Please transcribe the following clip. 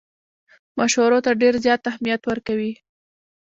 مشورو ته ډېر زیات اهمیت ورکوي.